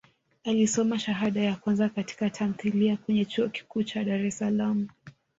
Alisoma shahada ya kwanza katika tamthilia kwenye Chuo Kikuu cha Dar es Salaam